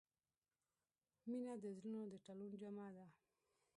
• مینه د زړونو د تړون جامه ده.